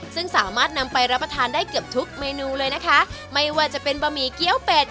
ซึ่งสามารถนำไปรับประทานได้เกือบทุกเมนูเลยนะคะไม่ว่าจะเป็นบะหมี่เกี้ยวเป็ด